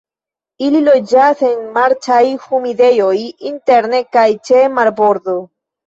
Ili loĝas en marĉaj humidejoj interne kaj ĉe marbordo.